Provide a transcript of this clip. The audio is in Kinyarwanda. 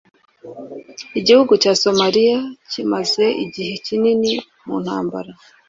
Igihugu cya Somaliya kimaze igihe kinini mu ntambara